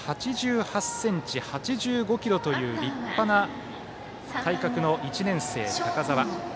１ｍ８８ｃｍ、８５ｋｇという立派な体格の１年生、高澤。